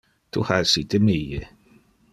Tu ha essite mie.